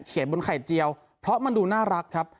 บนไข่เจียวเพราะมันดูน่ารักครับ